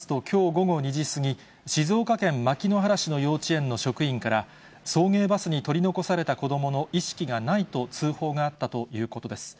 警察と消防によりますと、きょう午後２時過ぎ、静岡県牧之原市の幼稚園の職員から、送迎バスに取り残された子どもの意識がないと、通報があったということです。